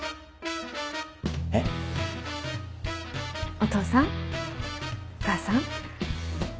お父さんお母さん。